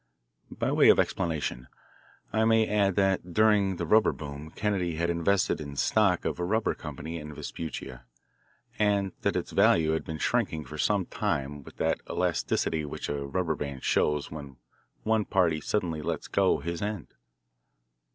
By way of explanation, I may add that during the rubber boom Kennedy had invested in stock of a rubber company in Vespuccia, and that its value had been shrinking for some time with that elasticity which a rubber band shows when one party suddenly lets go his end.